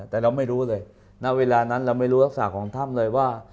แต่เราไม่รู้เลยณเวลานั้นเราไม่รู้ลักษณะของถ้ำเลยว่า